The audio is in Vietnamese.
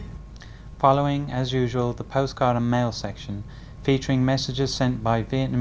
tiếp theo như thường lệ tiểu mục nhắn gửi quê nhà với những lời nhắn của các du học sinh việt nam